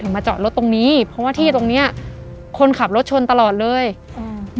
มาจอดรถตรงนี้เพราะว่าที่ตรงเนี้ยคนขับรถชนตลอดเลยอืม